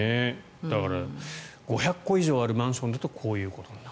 だから、５００戸以上あるマンションだとこういうことになる。